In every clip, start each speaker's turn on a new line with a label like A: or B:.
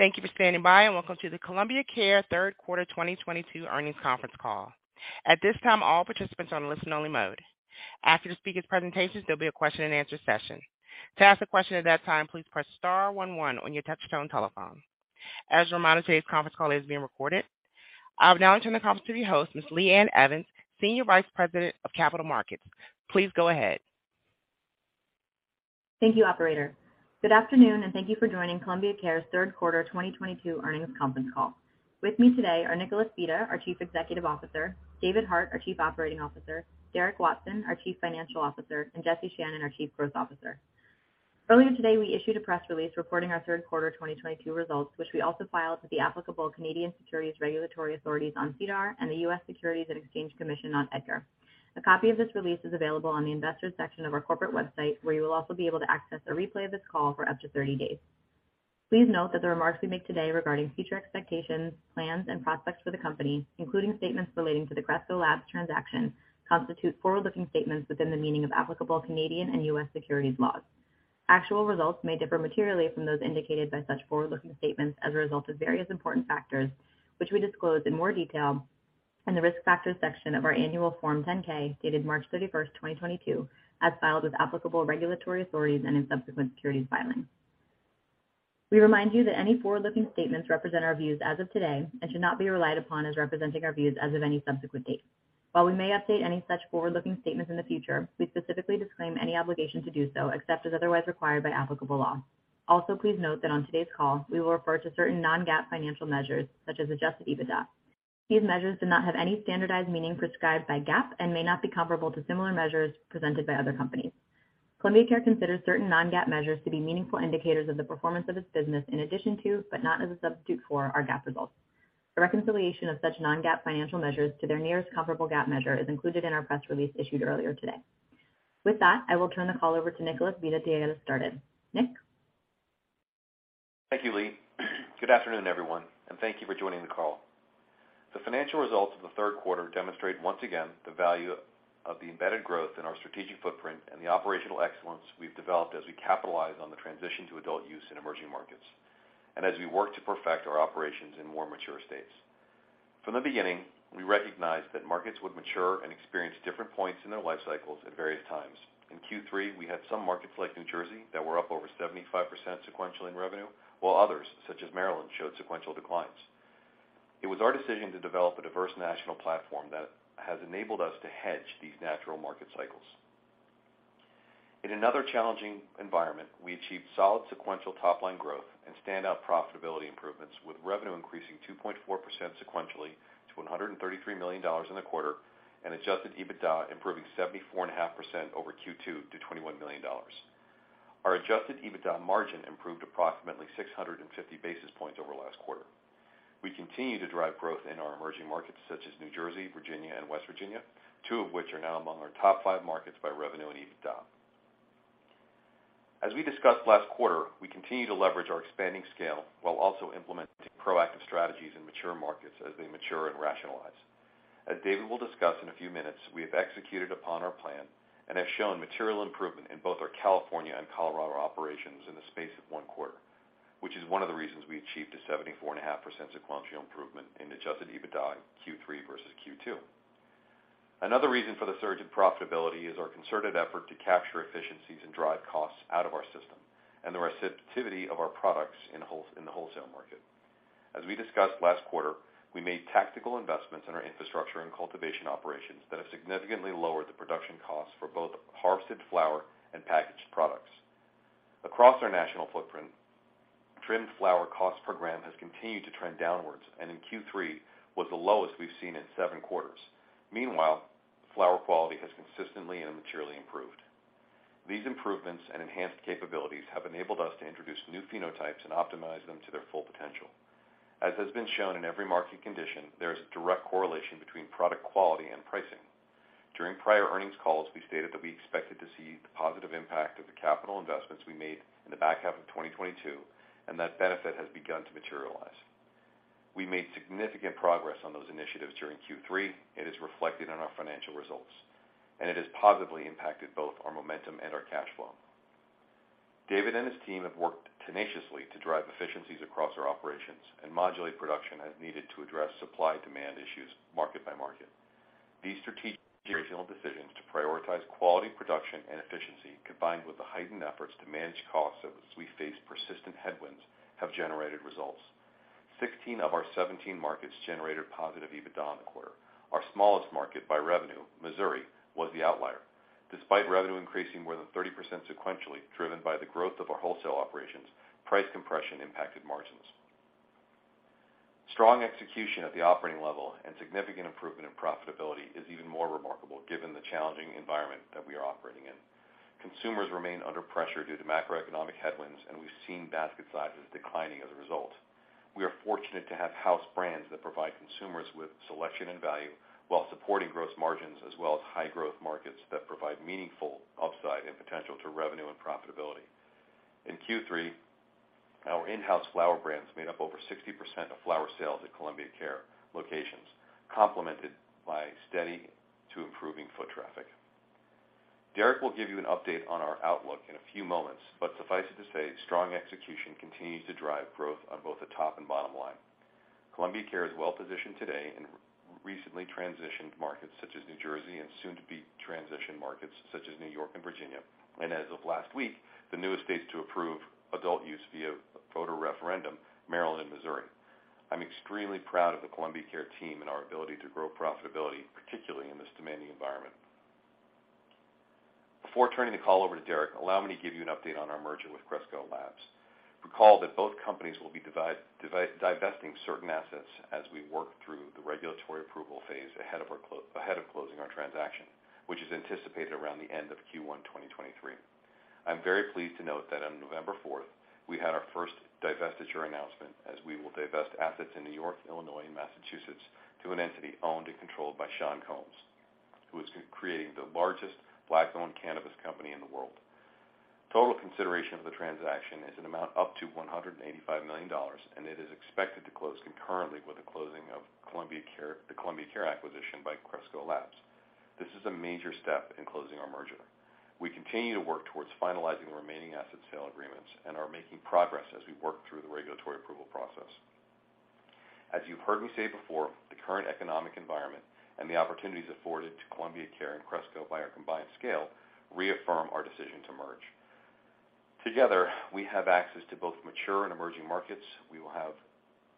A: Thank you for standing by, and welcome to the The Cannabist Company third quarter 2022 earnings conference call. At this time, all participants are on listen-only mode. After the speaker's presentations, there'll be a question-and-answer session. To ask a question at that time, please press star one one on your touchtone telephone. As a reminder, today's conference call is being recorded. I will now turn the conference to your host, Ms. Lee Ann Evans, Senior Vice President of Capital Markets. Please go ahead.
B: Thank you, operator. Good afternoon, and thank you for joining The Cannabist Company's third quarter 2022 earnings conference call. With me today are Nicholas Vita, our Chief Executive Officer, David Hart, our Chief Operating Officer, Derek Watson, our Chief Financial Officer, and Jesse Channon, our Chief Growth Officer. Earlier today, we issued a press release reporting our third quarter 2022 results, which we also filed with the applicable Canadian Securities Regulatory Authorities on SEDAR and the U.S. Securities and Exchange Commission on EDGAR. A copy of this release is available on the Investors section of our corporate website, where you will also be able to access a replay of this call for up to 30 days. Please note that the remarks we make today regarding future expectations, plans, and prospects for the company, including statements relating to the Cresco Labs transaction, constitute forward-looking statements within the meaning of applicable Canadian and U.S. securities laws. Actual results may differ materially from those indicated by such forward-looking statements as a result of various important factors, which we disclose in more detail in the Risk Factors section of our annual Form 10-K dated March 31st, 2022, as filed with applicable regulatory authorities and in subsequent securities filings. We remind you that any forward-looking statements represent our views as of today and should not be relied upon as representing our views as of any subsequent date. While we may update any such forward-looking statements in the future, we specifically disclaim any obligation to do so, except as otherwise required by applicable law. Also, please note that on today's call we will refer to certain non-GAAP financial measures such as adjusted EBITDA. These measures do not have any standardized meaning prescribed by GAAP and may not be comparable to similar measures presented by other companies. The Cannabist Company considers certain non-GAAP measures to be meaningful indicators of the performance of its business in addition to, but not as a substitute for, our GAAP results. A reconciliation of such non-GAAP financial measures to their nearest comparable GAAP measure is included in our press release issued earlier today. With that, I will turn the call over to Nicholas Vita to get us started. Nick?
C: Thank you, Lee. Good afternoon, everyone, and thank you for joining the call. The financial results of the third quarter demonstrate once again the value of the embedded growth in our strategic footprint and the operational excellence we've developed as we capitalize on the transition to adult use in emerging markets and as we work to perfect our operations in more mature states. From the beginning, we recognized that markets would mature and experience different points in their life cycles at various times. In Q3, we had some markets like New Jersey that were up over 75% sequentially in revenue, while others, such as Maryland, showed sequential declines. It was our decision to develop a diverse national platform that has enabled us to hedge these natural market cycles. In another challenging environment, we achieved solid sequential top-line growth and standout profitability improvements, with revenue increasing 2.4% sequentially to $133 million in the quarter and adjusted EBITDA improving 74.5% over Q2 to $21 million. Our adjusted EBITDA margin improved approximately 650 basis points over last quarter. We continue to drive growth in our emerging markets such as New Jersey, Virginia, and West Virginia, two of which are now among our top five markets by revenue and EBITDA. As we discussed last quarter, we continue to leverage our expanding scale while also implementing proactive strategies in mature markets as they mature and rationalize. As David will discuss in a few minutes, we have executed upon our plan and have shown material improvement in both our California and Colorado operations in the space of one quarter, which is one of the reasons we achieved a 74.5% sequential improvement in adjusted EBITDA in Q3 versus Q2. Another reason for the surge in profitability is our concerted effort to capture efficiencies and drive costs out of our system and the receptivity of our products in the wholesale market. As we discussed last quarter, we made tactical investments in our infrastructure and cultivation operations that have significantly lowered the production costs for both harvested flower and packaged products. Across our national footprint, trim flower cost per gram has continued to trend downwards and in Q3 was the lowest we've seen in seven quarters. Meanwhile, flower quality has consistently and materially improved. These improvements and enhanced capabilities have enabled us to introduce new phenotypes and optimize them to their full potential. As has been shown in every market condition, there is a direct correlation between product quality and pricing. During prior earnings calls, we stated that we expected to see the positive impact of the capital investments we made in the back half of 2022, and that benefit has begun to materialize. We made significant progress on those initiatives during Q3. It is reflected in our financial results, and it has positively impacted both our momentum and our cash flow. David and his team have worked tenaciously to drive efficiencies across our operations and modulate production as needed to address supply demand issues market by market. These strategic regional decisions to prioritize quality production and efficiency, combined with the heightened efforts to manage costs as we face persistent headwinds, have generated results. 16 of our 17 markets generated positive EBITDA in the quarter. Our smallest market by revenue, Missouri, was the outlier. Despite revenue increasing more than 30% sequentially, driven by the growth of our wholesale operations, price compression impacted margins. Strong execution at the operating level and significant improvement in profitability is even more remarkable given the challenging environment that we are operating in. Consumers remain under pressure due to macroeconomic headwinds, and we've seen basket sizes declining as a result. We are fortunate to have house brands that provide consumers with selection and value while supporting gross margins as well as high growth markets that provide meaningful upside and potential to revenue and profitability. In Q3, our in-house flower brands made up over 60% of flower sales at The Cannabist Company locations, complemented by steady to improving foot traffic. Derek will give you an update on our outlook in a few moments, but suffice it to say, strong execution continues to drive growth on both the top and bottom line. The Cannabist Company is well-positioned today in recently transitioned markets such as New Jersey and soon to be transitioned markets such as New York and Virginia, and as of last week, the newest states to approve adult use via voter referendum, Maryland and Missouri. I'm extremely proud of the Cannabist Company team and our ability to grow profitability, particularly in this demanding environment. Before turning the call over to Derek, allow me to give you an update on our merger with Cresco Labs. Recall that both companies will be divesting certain assets as we work through the regulatory approval phase ahead of closing our transaction, which is anticipated around the end of Q1, 2023. I'm very pleased to note that on November 4th, we had our first divestiture announcement, as we will divest assets in New York, Illinois, and Massachusetts to an entity owned and controlled by Sean Combs, who is creating the largest Black-owned cannabis company in the world. Total consideration of the transaction is an amount up to $185 million, and it is expected to close concurrently with the closing of Columbia Care, the Columbia Care acquisition by Cresco Labs. This is a major step in closing our merger. We continue to work towards finalizing the remaining asset sale agreements and are making progress as we work through the regulatory approval process. As you've heard me say before, the current economic environment and the opportunities afforded to Columbia Care and Cresco by our combined scale reaffirm our decision to merge. Together, we have access to both mature and emerging markets. We will have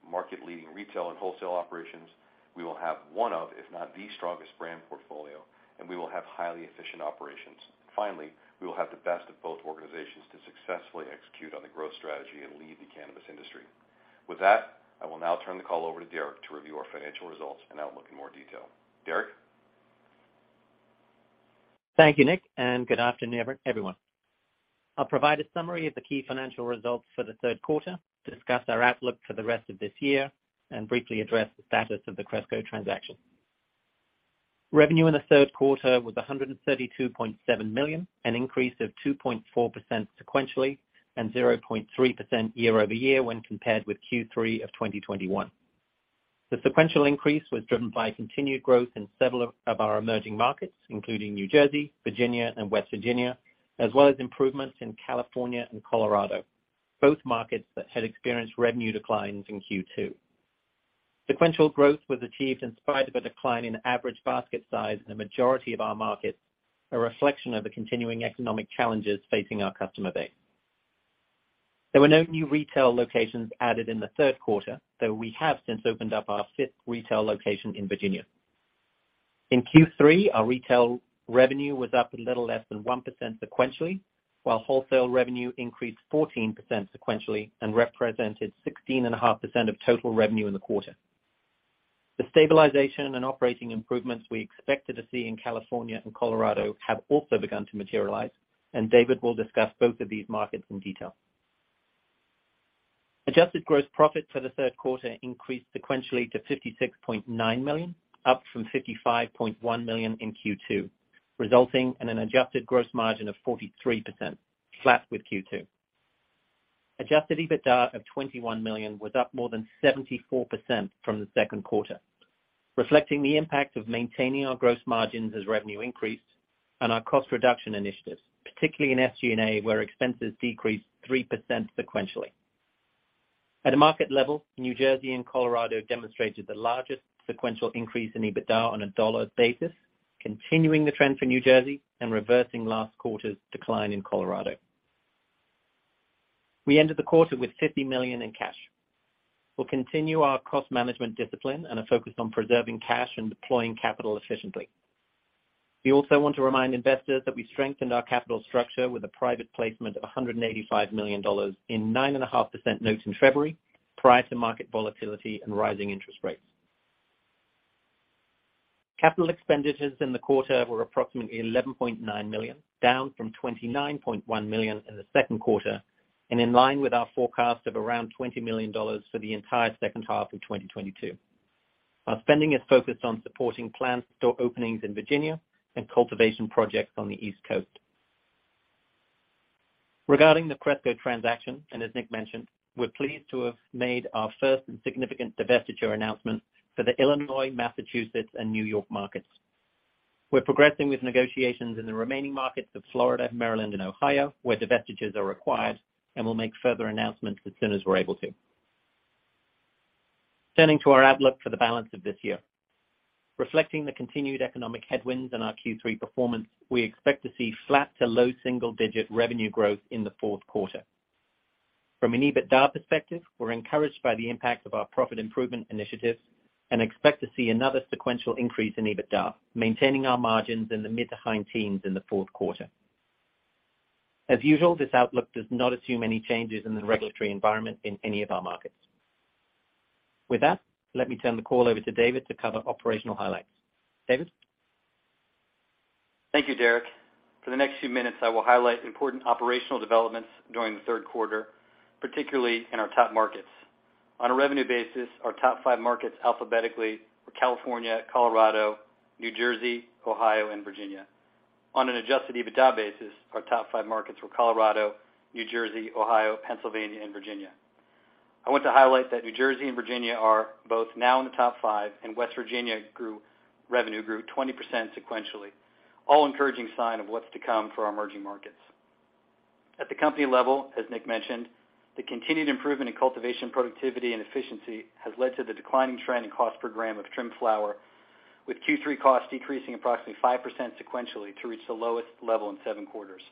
C: market-leading retail and wholesale operations. We will have one of, if not the strongest brand portfolio, and we will have highly efficient operations. Finally, we will have the best of both organizations to successfully execute on the growth strategy and lead the cannabis industry. With that, I will now turn the call over to Derek to review our financial results and outlook in more detail. Derek?
D: Thank you, Nick, and good afternoon, everyone. I'll provide a summary of the key financial results for the third quarter, discuss our outlook for the rest of this year, and briefly address the status of the Cresco transaction. Revenue in the third quarter was $132.7 million, an increase of 2.4% sequentially, and 0.3% year over year when compared with Q3 of 2021. The sequential increase was driven by continued growth in several of our emerging markets, including New Jersey, Virginia, and West Virginia, as well as improvements in California and Colorado, both markets that had experienced revenue declines in Q2. Sequential growth was achieved in spite of a decline in average basket size in the majority of our markets, a reflection of the continuing economic challenges facing our customer base. There were no new retail locations added in the third quarter, though we have since opened up our fifth retail location in Virginia. In Q3, our retail revenue was up a little less than 1% sequentially, while wholesale revenue increased 14% sequentially and represented 16.5% of total revenue in the quarter. The stabilization and operating improvements we expected to see in California and Colorado have also begun to materialize, and David will discuss both of these markets in detail. Adjusted gross profit for the third quarter increased sequentially to $56.9 million, up from $55.1 million in Q2, resulting in an adjusted gross margin of 43%, flat with Q2. Adjusted EBITDA of $21 million was up more than 74% from the second quarter, reflecting the impact of maintaining our gross margins as revenue increased and our cost reduction initiatives, particularly in SG&A, where expenses decreased 3% sequentially. At a market level, New Jersey and Colorado demonstrated the largest sequential increase in EBITDA on a dollar basis, continuing the trend for New Jersey and reversing last quarter's decline in Colorado. We ended the quarter with $50 million in cash. We'll continue our cost management discipline and are focused on preserving cash and deploying capital efficiently. We also want to remind investors that we strengthened our capital structure with a private placement of $185 million in 9.5% notes in February, prior to market volatility and rising interest rates. Capital expenditures in the quarter were approximately $11.9 million, down from $29.1 million in the second quarter and in line with our forecast of around $20 million for the entire second half of 2022. Our spending is focused on supporting planned store openings in Virginia and cultivation projects on the East Coast. Regarding the Cresco transaction, as Nick mentioned, we're pleased to have made our first and significant divestiture announcement for the Illinois, Massachusetts, and New York markets. We're progressing with negotiations in the remaining markets of Florida, Maryland, and Ohio, where divestitures are required, and we'll make further announcements as soon as we're able to. Turning to our outlook for the balance of this year. Reflecting the continued economic headwinds in our Q3 performance, we expect to see flat to low single-digit% revenue growth in the fourth quarter. From an EBITDA perspective, we're encouraged by the impact of our profit improvement initiatives and expect to see another sequential increase in EBITDA, maintaining our margins in the mid- to high-teens% in the fourth quarter. As usual, this outlook does not assume any changes in the regulatory environment in any of our markets. With that, let me turn the call over to David to cover operational highlights. David?
E: Thank you, Derek. For the next few minutes, I will highlight important operational developments during the third quarter, particularly in our top markets. On a revenue basis, our top five markets alphabetically were California, Colorado, New Jersey, Ohio, and Virginia. On an adjusted EBITDA basis, our top five markets were Colorado, New Jersey, Ohio, Pennsylvania, and Virginia. I want to highlight that New Jersey and Virginia are both now in the top five, and West Virginia grew, revenue grew 20% sequentially, an encouraging sign of what's to come for our emerging markets. At the company level, as Nick mentioned, the continued improvement in cultivation productivity and efficiency has led to the declining trend in cost per gram of trimmed flower, with Q3 costs decreasing approximately 5% sequentially to reach the lowest level in seven quarters.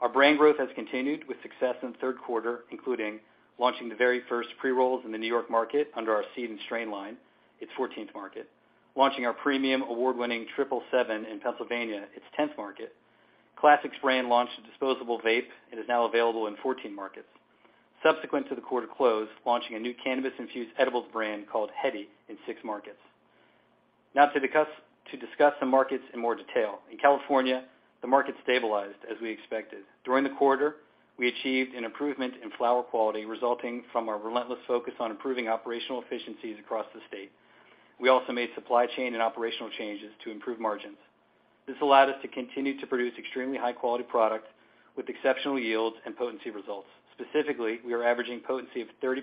E: Our brand growth has continued with success in the third quarter, including launching the very first pre-rolls in the New York market under our Seed & Strain line, its 14th market. Launching our premium award-winning 777 in Pennsylvania, its 10th market. Classix brand launched a disposable vape and is now available in 14 markets. Subsequent to the quarter close, launching a new cannabis-infused edibles brand called Hedy in six markets. Now to discuss the markets in more detail. In California, the market stabilized as we expected. During the quarter, we achieved an improvement in flower quality resulting from our relentless focus on improving operational efficiencies across the state. We also made supply chain and operational changes to improve margins. This allowed us to continue to produce extremely high-quality product with exceptional yields and potency results. Specifically, we are averaging potency of 30%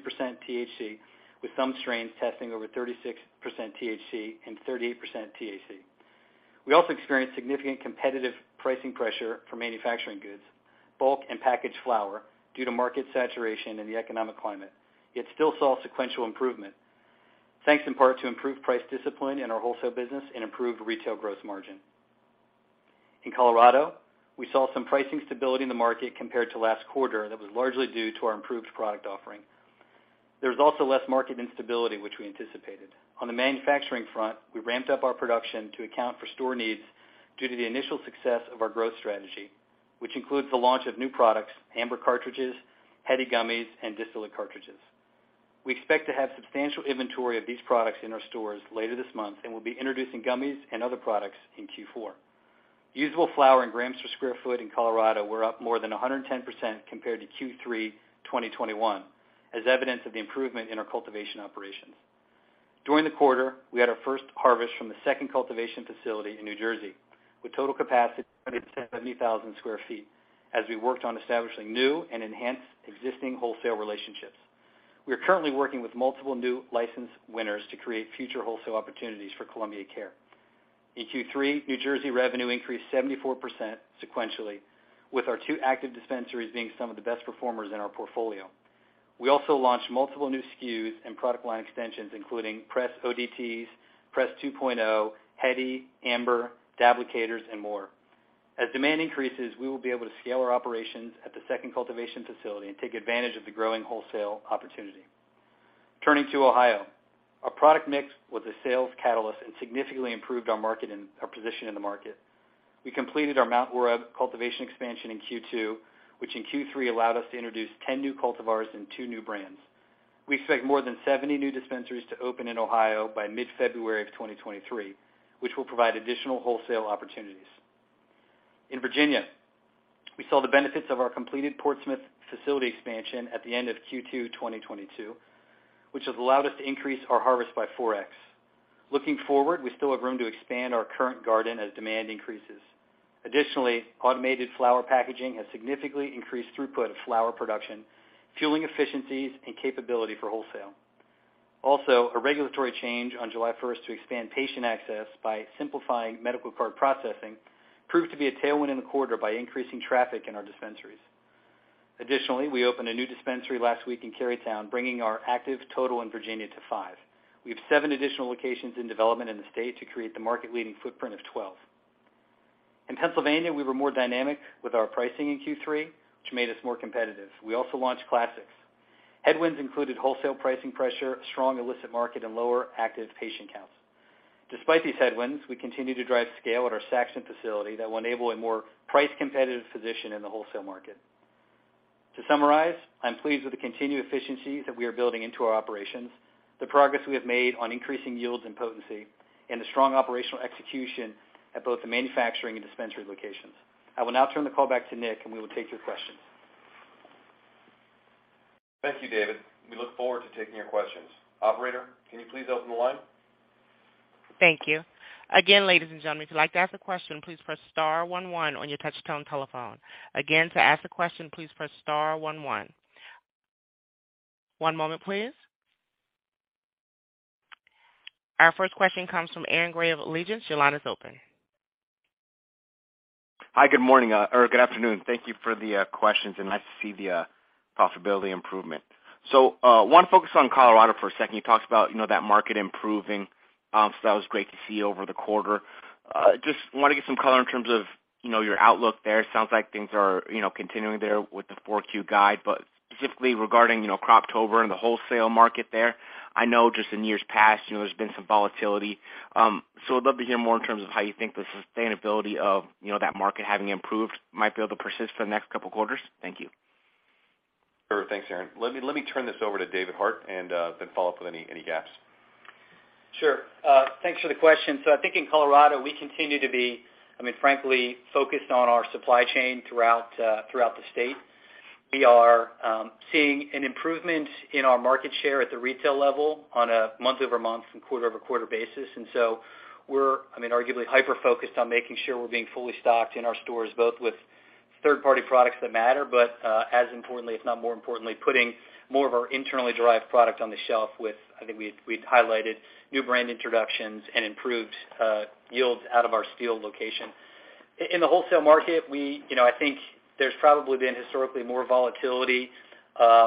E: THC, with some strains testing over 36% THC and 38% TAC. We also experienced significant competitive pricing pressure for manufacturing goods, bulk and packaged flower, due to market saturation and the economic climate. Yet still saw sequential improvement, thanks in part to improved price discipline in our wholesale business and improved retail gross margin. In Colorado, we saw some pricing stability in the market compared to last quarter that was largely due to our improved product offering. There was also less market instability, which we anticipated. On the manufacturing front, we ramped up our production to account for store needs due to the initial success of our growth strategy, which includes the launch of new products, Amber cartridges, Hedy gummies, and distillate cartridges. We expect to have substantial inventory of these products in our stores later this month, and we'll be introducing gummies and other products in Q4. Usable flower and grams per sq ft in Colorado were up more than 110% compared to Q3 2021, as evidence of the improvement in our cultivation operations. During the quarter, we had our first harvest from the second cultivation facility in New Jersey, with total capacity of 70,000 sq ft as we worked on establishing new and enhanced existing wholesale relationships. We are currently working with multiple new license winners to create future wholesale opportunities for The Cannabist Company. In Q3, New Jersey revenue increased 74% sequentially, with our two active dispensaries being some of the best performers in our portfolio. We also launched multiple new SKUs and product line extensions, including Press ODTs, Press 2.0, Hedy, Amber, Dablicator and more. As demand increases, we will be able to scale our operations at the second cultivation facility and take advantage of the growing wholesale opportunity. Turning to Ohio, our product mix was a sales catalyst and significantly improved our position in the market. We completed our Mount Orab cultivation expansion in Q2, which in Q3 allowed us to introduce 10 new cultivars and two new brands. We expect more than 70 new dispensaries to open in Ohio by mid February of 2023, which will provide additional wholesale opportunities. In Virginia, we saw the benefits of our completed Portsmouth facility expansion at the end of Q2 2022, which has allowed us to increase our harvest by 4x. Looking forward, we still have room to expand our current garden as demand increases. Additionally, automated flower packaging has significantly increased throughput of flower production, fueling efficiencies and capability for wholesale. Also, a regulatory change on July first to expand patient access by simplifying medical card processing proved to be a tailwind in the quarter by increasing traffic in our dispensaries. Additionally, we opened a new dispensary last week in Carytown, bringing our active total in Virginia to five. We have seven additional locations in development in the state to create the market-leading footprint of 12. In Pennsylvania, we were more dynamic with our pricing in Q3, which made us more competitive. We also launched Classix. Headwinds included wholesale pricing pressure, strong illicit market, and lower active patient counts. Despite these headwinds, we continue to drive scale at our Saxton facility that will enable a more price-competitive position in the wholesale market. To summarize, I'm pleased with the continued efficiencies that we are building into our operations, the progress we have made on increasing yields and potency, and the strong operational execution at both the manufacturing and dispensary locations. I will now turn the call back to Nick, and we will take your questions.
C: Thank you, David. We look forward to taking your questions. Operator, can you please open the line?
A: Thank you. Again, ladies and gentlemen, if you'd like to ask a question, please press star one one on your touch-tone telephone. Again, to ask a question, please press star one one. One moment, please. Our first question comes from Aaron Grey of Alliance. Your line is open.
F: Hi. Good morning or good afternoon. Thank you for the questions, and nice to see the profitability improvement. Want to focus on Colorado for a second. You talked about, you know, that market improving, so that was great to see over the quarter. Just want to get some color in terms of, you know, your outlook there. Sounds like things are, you know, continuing there with the 4Q guide, but specifically regarding, you know, Croptober and the wholesale market there. I know just in years past, you know, there's been some volatility. I'd love to hear more in terms of how you think the sustainability of, you know, that market having improved might be able to persist for the next couple of quarters. Thank you.
C: Sure. Thanks, Aaron. Let me turn this over to David Hart and then follow up with any gaps.
E: Sure. Thanks for the question. I think in Colorado, we continue to be, I mean, frankly, focused on our supply chain throughout the state. We are seeing an improvement in our market share at the retail level on a month-over-month and quarter-over-quarter basis. We're, I mean, arguably hyper-focused on making sure we're being fully stocked in our stores, both with third party products that matter, but, as importantly, if not more importantly, putting more of our internally derived product on the shelf with, I think we highlighted new brand introductions and improved yields out of our Steele location. In the wholesale market, we, you know, I think there's probably been historically more volatility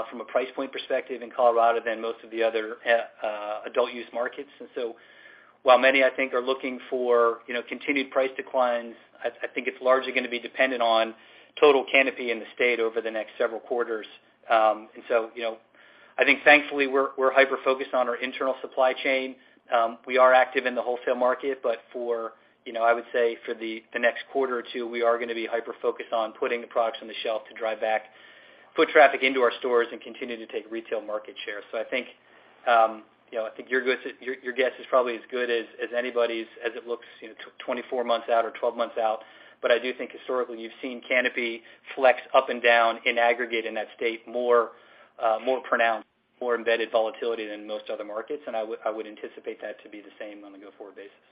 E: from a price point perspective in Colorado than most of the other adult use markets. While many I think are looking for, you know, continued price declines, I think it's largely gonna be dependent on total canopy in the state over the next several quarters. You know, I think thankfully, we're hyper-focused on our internal supply chain. We are active in the wholesale market, but for, you know, I would say for the next quarter or two, we are gonna be hyper-focused on putting the products on the shelf to drive back foot traffic into our stores and continue to take retail market share. I think, you know, I think your guess is probably as good as anybody's as it looks, you know, 24 months out or 12 months out. I do think historically you've seen canopy flex up and down in aggregate in that state more, more pronounced, more embedded volatility than most other markets, and I would anticipate that to be the same on a go-forward basis.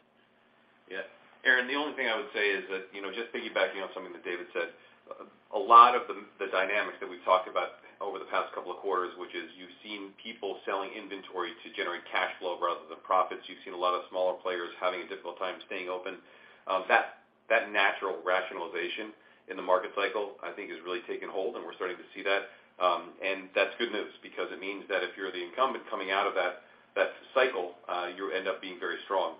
C: Yeah. Aaron, the only thing I would say is that, you know, just piggybacking on something that David said, a lot of the dynamics that we've talked about over the past couple of quarters, which is you've seen people selling inventory to generate cash flow rather than profits. You've seen a lot of smaller players having a difficult time staying open. That natural rationalization in the market cycle, I think, has really taken hold, and we're starting to see that. That's good news because it means that if you're the incumbent coming out of that cycle, you end up being very strong.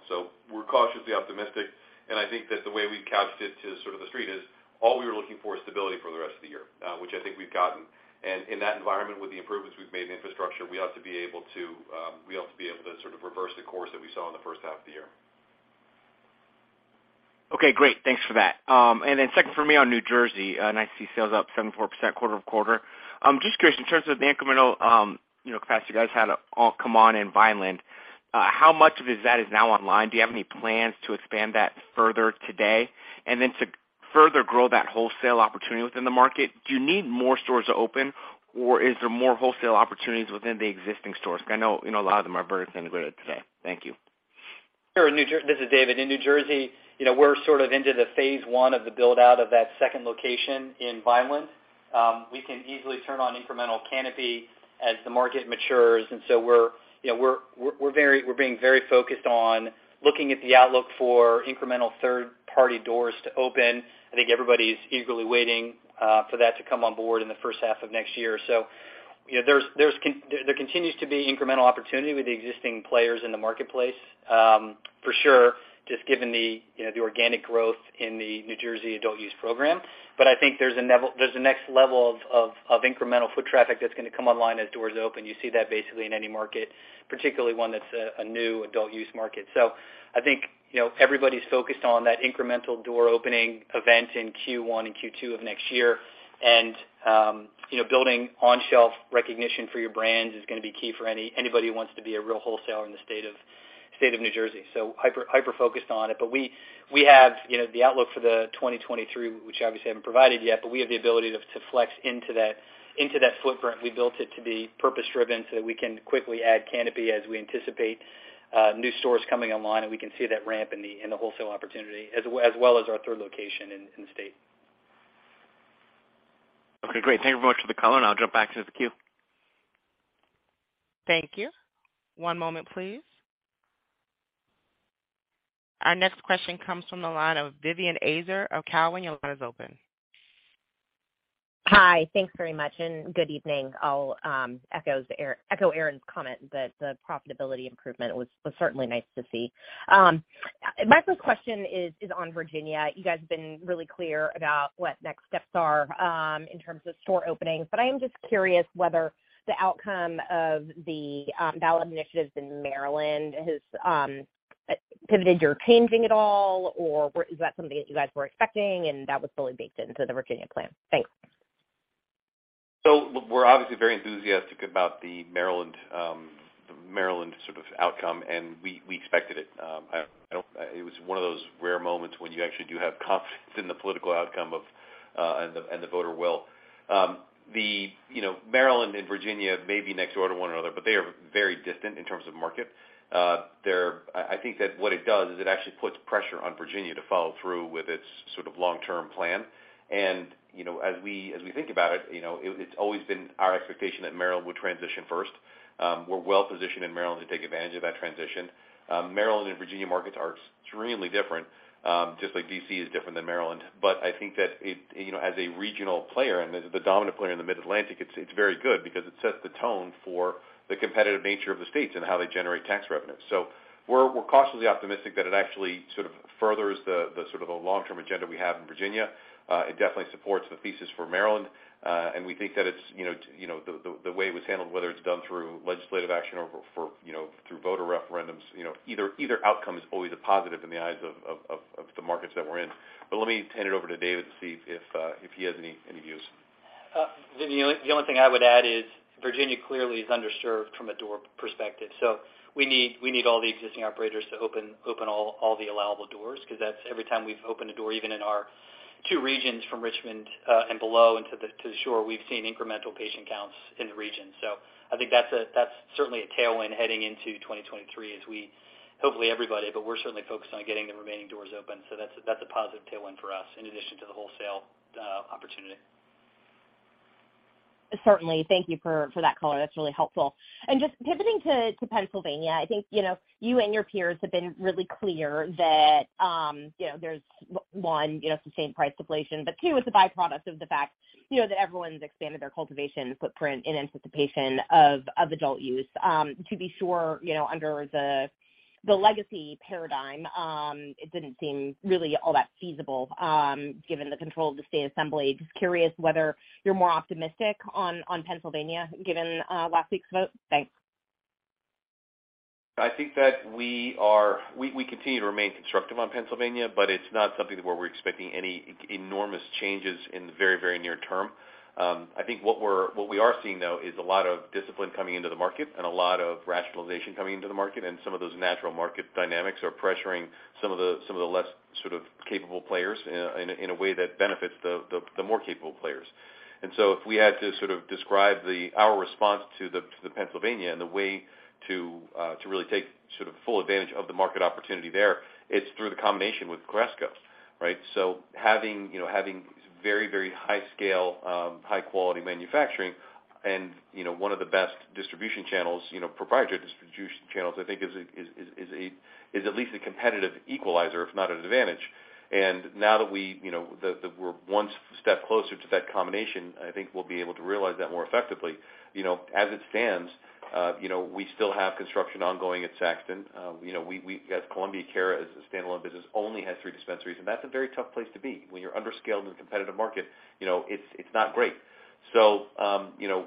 C: We're cautiously optimistic, and I think that the way we've couched it to sort of the street is all we were looking for is stability for the rest of the year, which I think we've gotten. In that environment, with the improvements we've made in infrastructure, we ought to be able to sort of reverse the course that we saw in the first half of the year.
F: Okay, great. Thanks for that. Then second for me on New Jersey, nice to see sales up 74% quarter-over-quarter. Just curious in terms of the incremental, you know, capacity you guys had all come on in Vineland, how much of that is now online? Do you have any plans to expand that further today? To further grow that wholesale opportunity within the market, do you need more stores to open, or is there more wholesale opportunities within the existing stores? Because I know, you know, a lot of them are very integrated today. Thank you.
E: Sure. This is David. In New Jersey, you know, we're sort of into the phase one of the build-out of that second location in Vineland. We can easily turn on incremental canopy as the market matures, and so we're, you know, being very focused on looking at the outlook for incremental third-party doors to open. I think everybody's eagerly waiting for that to come on board in the first half of next year. You know, there continues to be incremental opportunity with the existing players in the marketplace, for sure, just given the, you know, the organic growth in the New Jersey adult use program. But I think there's a next level of incremental foot traffic that's gonna come online as doors open. You see that basically in any market, particularly one that's a new adult use market. I think, you know, everybody's focused on that incremental door opening event in Q1 and Q2 of next year. You know, building on-shelf recognition for your brands is gonna be key for anybody who wants to be a real wholesaler in the state of New Jersey. Hyper-focused on it. We have, you know, the outlook for 2023, which obviously haven't provided yet, but we have the ability to flex into that footprint. We built it to be purpose-driven so that we can quickly add canopy as we anticipate new stores coming online, and we can see that ramp in the wholesale opportunity as well as our third location in the state.
F: Okay, great. Thank you very much for the color, and I'll drop back to the queue.
A: Thank you. One moment, please. Our next question comes from the line of Vivien Azer of Cowen. Your line is open.
G: Hi. Thanks very much, and good evening. I'll echo Aaron's comment that the profitability improvement was certainly nice to see. My first question is on Virginia. You guys have been really clear about what next steps are in terms of store openings, but I am just curious whether the outcome of the ballot initiatives in Maryland has pivoted your thinking at all, or is that something that you guys were expecting and that was fully baked into the Virginia plan? Thanks.
C: We're obviously very enthusiastic about the Maryland sort of outcome, and we expected it. It was one of those rare moments when you actually do have confidence in the political outcome and the voter will. You know, Maryland and Virginia may be next door to one another, but they are very distant in terms of market. I think that what it does is it actually puts pressure on Virginia to follow through with its sort of long-term plan. You know, as we think about it, you know, it's always been our expectation that Maryland would transition first. We're well positioned in Maryland to take advantage of that transition. Maryland and Virginia markets are extremely different, just like D.C. is different than Maryland. I think that it, you know, as a regional player and as the dominant player in the Mid-Atlantic, it's very good because it sets the tone for the competitive nature of the states and how they generate tax revenue. We're cautiously optimistic that it actually sort of furthers the sort of the long-term agenda we have in Virginia. It definitely supports the thesis for Maryland. We think that it's, you know, the way it was handled, whether it's done through legislative action or, you know, through voter referendums, you know, either outcome is always a positive in the eyes of the markets that we're in. Let me hand it over to David to see if he has any views.
E: Vivien, the only thing I would add is Virginia clearly is underserved from a door perspective. We need all the existing operators to open all the allowable doors because that's every time we've opened a door, even in our two regions from Richmond, and below and to the shore, we've seen incremental patient counts in the region. I think that's certainly a tailwind heading into 2023 as we hopefully everybody, but we're certainly focused on getting the remaining doors open. That's a positive tailwind for us in addition to the wholesale opportunity.
G: Certainly. Thank you for that color. That's really helpful. Just pivoting to Pennsylvania, I think, you know, you and your peers have been really clear that, you know, there's one, you know, sustained price deflation, but two, it's a byproduct of the fact, you know, that everyone's expanded their cultivation footprint in anticipation of adult use. To be sure, you know, under the legacy paradigm, it didn't seem really all that feasible, given the control of the state assembly. Just curious whether you're more optimistic on Pennsylvania given last week's vote. Thanks.
C: I think that we are. We continue to remain constructive on Pennsylvania, but it's not something where we're expecting any enormous changes in the very, very near term. I think what we are seeing, though, is a lot of discipline coming into the market and a lot of rationalization coming into the market, and some of those natural market dynamics are pressuring some of the less sort of capable players in a way that benefits the more capable players. If we had to sort of describe our response to the Pennsylvania and the way to really take sort of full advantage of the market opportunity there, it's through the combination with Cresco, right? Having, you know, having very, very high scale, high quality manufacturing and, you know, one of the best distribution channels, you know, proprietary distribution channels, I think is at least a competitive equalizer, if not an advantage. Now that we, you know, we're one step closer to that combination, I think we'll be able to realize that more effectively. You know, as it stands, you know, we still have construction ongoing at Saxton. You know, we as Columbia Care, as a standalone business, only has three dispensaries, and that's a very tough place to be. When you're under-scaled in a competitive market, you know, it's not great. You know,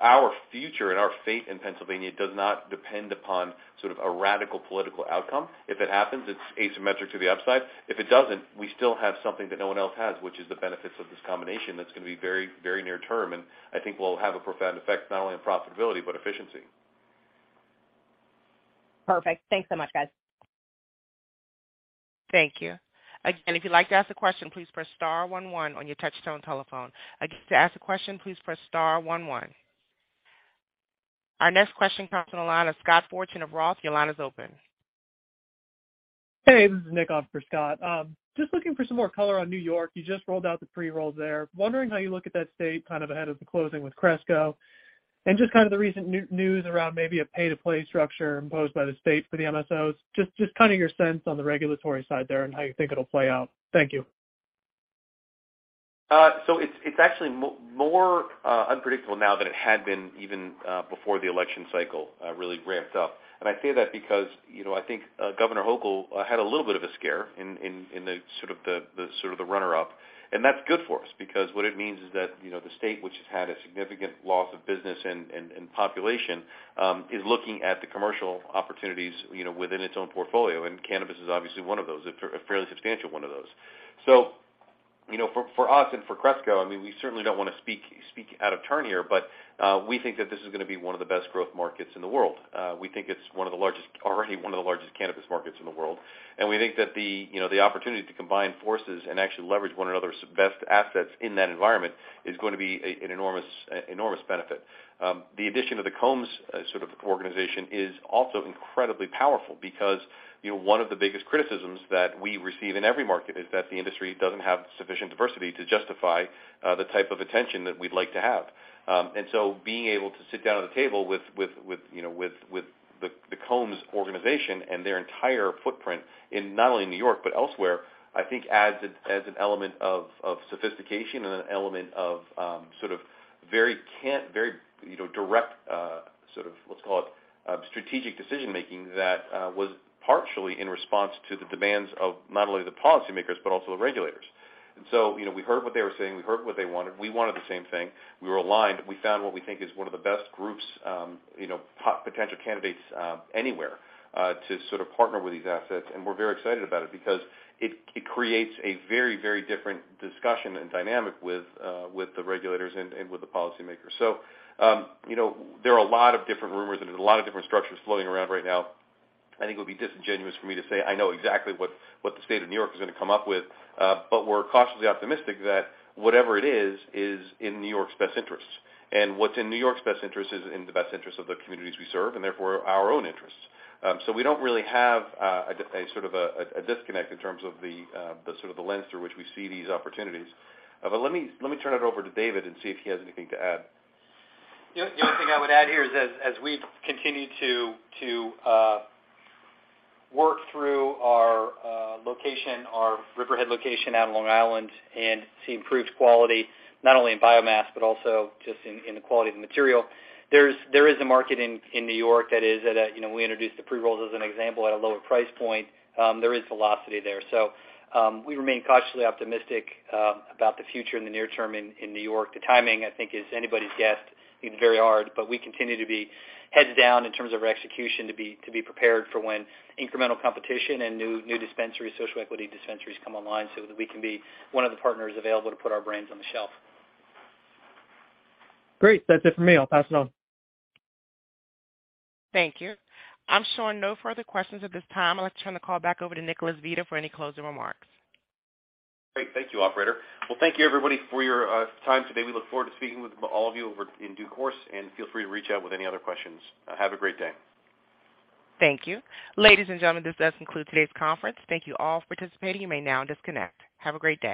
C: our future and our fate in Pennsylvania does not depend upon sort of a radical political outcome. If it happens, it's asymmetric to the upside. If it doesn't, we still have something that no one else has, which is the benefits of this combination that's gonna be very, very near term, and I think will have a profound effect not only on profitability, but efficiency.
G: Perfect. Thanks so much, guys.
A: Thank you. Again, if you'd like to ask a question, please press star one one on your touchtone telephone. Again, to ask a question, please press star one one. Our next question comes from the line of Scott Fortune of ROTH MKM. Your line is open.
H: Hey, this is Nick on for Scott. Just looking for some more color on New York. You just rolled out the pre-rolls there. Wondering how you look at that state kind of ahead of the closing with Cresco. Just kind of the recent news around maybe a pay-to-play structure imposed by the state for the MSOs. Just kind of your sense on the regulatory side there and how you think it'll play out. Thank you.
C: It's actually more unpredictable now than it had been even before the election cycle really ramped up. I say that because, you know, I think Kathy Hochul had a little bit of a scare in the sort of runner-up, and that's good for us because what it means is that, you know, the state, which has had a significant loss of business and population, is looking at the commercial opportunities, you know, within its own portfolio, and cannabis is obviously one of those, a fairly substantial one of those. You know, for us and for Cresco, I mean, we certainly don't wanna speak out of turn here, but we think that this is gonna be one of the best growth markets in the world. We think it's already one of the largest cannabis markets in the world. We think that the, you know, the opportunity to combine forces and actually leverage one another's best assets in that environment is going to be an enormous benefit. The addition of the Combs sort of organization is also incredibly powerful because, you know, one of the biggest criticisms that we receive in every market is that the industry doesn't have sufficient diversity to justify the type of attention that we'd like to have. Being able to sit down at the table with, you know, with the Combs organization and their entire footprint in not only New York, but elsewhere, I think adds an element of sophistication and an element of, sort of very, you know, direct, sort of, let's call it, strategic decision-making that was partially in response to the demands of not only the policymakers, but also the regulators. You know, we heard what they were saying, we heard what they wanted. We wanted the same thing. We were aligned. We found what we think is one of the best groups, you know, potential candidates anywhere to sort of partner with these assets. We're very excited about it because it creates a very, very different discussion and dynamic with the regulators and with the policymakers. You know, there are a lot of different rumors and a lot of different structures floating around right now. I think it would be disingenuous for me to say I know exactly what the state of New York is gonna come up with. We're cautiously optimistic that whatever it is in New York's best interests. What's in New York's best interest is in the best interest of the communities we serve and therefore our own interests. We don't really have a sort of a disconnect in terms of the sort of the lens through which we see these opportunities. Let me turn it over to David and see if he has anything to add.
E: The only thing I would add here is as we continue to work through our location, our Riverhead location out in Long Island and see improved quality, not only in biomass, but also just in the quality of the material, there is a market in New York. You know, we introduced the pre-rolls as an example at a lower price point. There is velocity there. We remain cautiously optimistic about the future in the near term in New York. The timing, I think, is anybody's guess. It's very hard, but we continue to be heads down in terms of our execution to be prepared for when incremental competition and new dispensaries, social equity dispensaries come online, so that we can be one of the partners available to put our brands on the shelf.
H: Great. That's it for me. I'll pass it on.
A: Thank you. I'm showing no further questions at this time. I'd like to turn the call back over to Nicholas Vita for any closing remarks.
C: Great. Thank you, operator. Well, thank you, everybody, for your time today. We look forward to speaking with all of you over in due course, and feel free to reach out with any other questions. Have a great day.
A: Thank you. Ladies and gentlemen, this does conclude today's conference. Thank you all for participating. You may now disconnect. Have a great day.